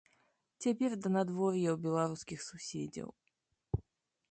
Цяпер да надвор'я ў беларускіх суседзяў.